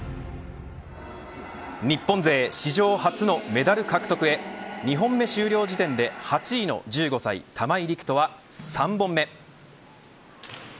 日本勢史上初のメダル獲得へ２本目終了時点で８位の１５歳、玉井陸斗は３本目。